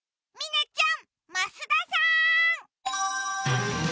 １嶺ちゃん、増田さん。